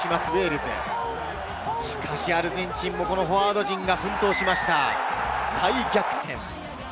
しかしアルゼンチンもフォワード陣が奮闘しました再逆転。